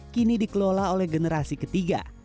kini dikelola oleh generasi ketiga